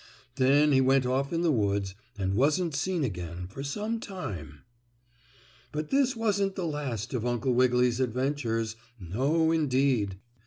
Then he went off in the woods and wasn't seen again for some time. But this wasn't the last of Uncle Wiggily's adventures; no, indeed.